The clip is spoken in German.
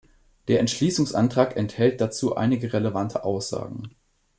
Der Entschließungsantrag enthält dazu einige relevante Aussagen.